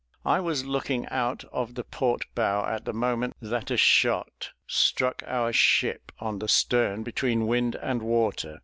I was looking out of the bow port at the moment that a shot struck our ship on the stern between wind and water.